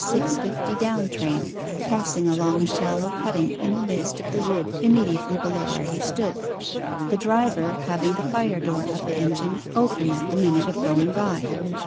50 down train passing along a shallow cutting in the midst of the wood immediately below where he stood, the driver having the fire door of the engine open at the minute of going by.